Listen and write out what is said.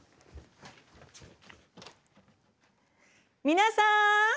皆さん！